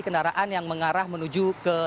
kendaraan yang mengarah menuju ke